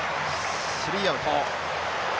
スリーアウト。